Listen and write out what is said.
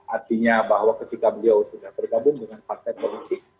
artinya bahwa ketika beliau sudah bergabung dengan partai politik